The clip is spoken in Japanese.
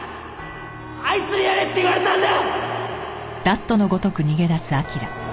あいつにやれって言われたんだ！